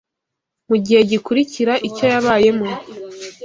mu gihe gikurikira icyo yabayemo